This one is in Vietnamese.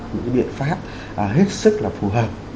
những cái biện pháp hết sức là phù hợp